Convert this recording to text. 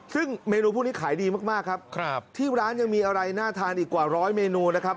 ซึ่งเมนูพวกนี้ขายดีมากครับที่ร้านยังมีอะไรน่าทานอีกกว่าร้อยเมนูนะครับ